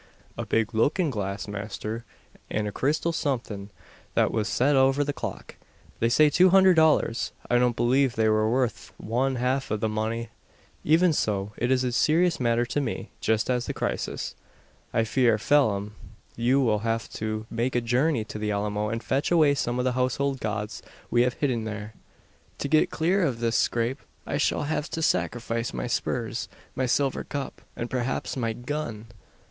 "A big lookin' glass, masther; an a crystal somethin', that was set over the clock. They say two hunderd dollars. I don't belave they were worth wan half av the money." "Even so, it is a serious matter to me just at this crisis. I fear, Phelim, you will have to make a journey to the Alamo, and fetch away some of the household gods we have hidden there. To get clear of this scrape I shall have to sacrifice my spurs, my silver cup, and perhaps my gun!"